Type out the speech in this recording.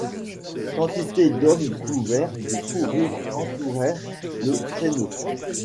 Quantité d’hommes couverts de fourrures entourèrent le traîneau.